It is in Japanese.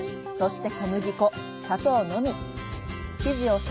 そして小麦粉、砂糖のみ。